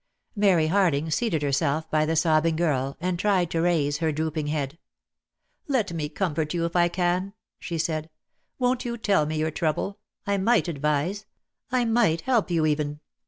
Mary Harling seated herself by the sobbing girl, and tried to raise her drooping head. "Let me comfort you, if I can," she said. "Won't you tell me your trouble? I might advise; I might help you even.